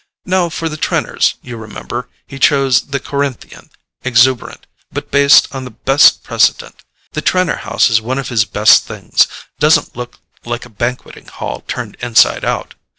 Now for the Trenors, you remember, he chose the Corinthian: exuberant, but based on the best precedent. The Trenor house is one of his best things—doesn't look like a banqueting hall turned inside out.